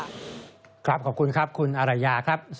ขอบคุณครับคุณอารยาครับ